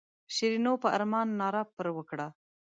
شیرینو په ارمان ناره پر وکړه.